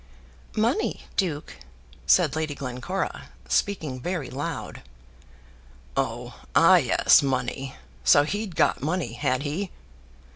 "Money, duke," said Lady Glencora, speaking very loud. "Oh, ah, yes; money. So he'd got money; had he?"